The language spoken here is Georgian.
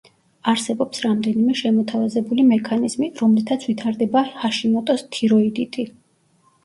არსებობს რამდენიმე შემოთავაზებული მექანიზმი, რომლითაც ვითარდება ჰაშიმოტოს თიროიდიტი.